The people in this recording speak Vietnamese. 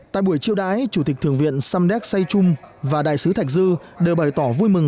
tại buổi triều đãi chủ tịch thượng viện samdek seychum và đại sứ thạch dư đều bày tỏ vui mừng